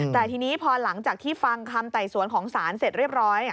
แต่ทีนี้พอหลังจากที่ฟังคำไต่สวนของศาลเสร็จเรียบร้อย